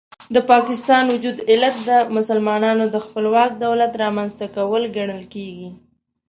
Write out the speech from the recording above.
د پاکستان وجود علت د مسلمانانو د خپلواک دولت رامنځته کول ګڼل کېږي.